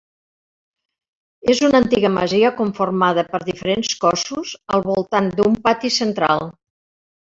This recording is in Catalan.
És una antiga masia conformada per diferents cossos al voltant d'un pati central.